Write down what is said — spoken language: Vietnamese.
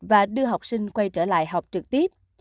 và đưa học sinh quay trở lại học trực tiếp